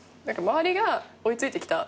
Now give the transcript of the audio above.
周りが追い付いてきた？